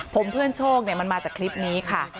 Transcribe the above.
ผมเพื่อนโชคมันมาจากคลิปนี้ค่ะ